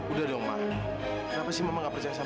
udah dong mak kenapa sih mama gak percaya sama kamila